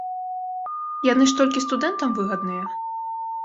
Яны ж толькі студэнтам выгадныя.